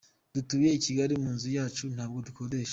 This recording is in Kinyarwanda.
Dutuye I Kigali mu nzu yacu ntabwo dukodesha.